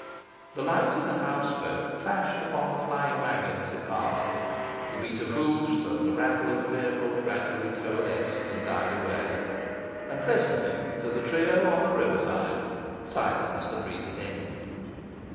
The lights of the houseboat flashed upon the flying waggon as it passed; the beat of hoofs and the rattle of the vehicle gradually coalesced and died away; and presently, to the trio on the riverside, silence had redescended.